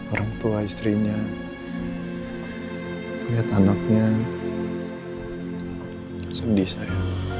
orang tua istrinya melihat anaknya sedih sayang